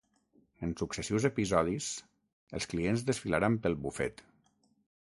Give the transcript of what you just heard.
En successius episodis els clients desfilaran pel bufet.